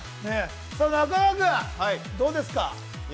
さあ中川君どうですか。